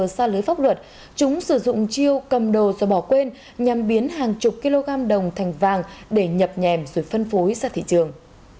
xa lưới pháp luật chúng sử dụng chiêu cầm đồ do bỏ quên nhằm biến hàng chục kg đồng thành vàng để nhập nhèm rồi phân phối ra thị trường